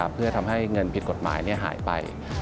เพื่อทำให้เงินผิดกฎหมายหายไป